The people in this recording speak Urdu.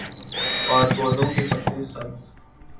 اور پودوں کے پتے سبز